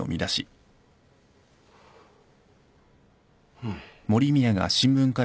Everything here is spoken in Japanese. うん。